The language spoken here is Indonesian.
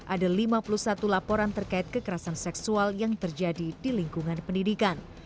ada lima puluh satu laporan terkait kekerasan seksual yang terjadi di lingkungan pendidikan